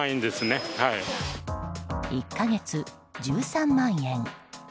１か月、１３万円。